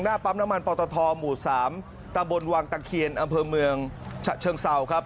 ปั๊มน้ำมันปอตทหมู่๓ตะบนวังตะเคียนอำเภอเมืองฉะเชิงเซาครับ